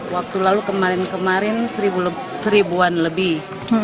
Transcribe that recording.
waktu lalu kemarin kemarin seribuan lebih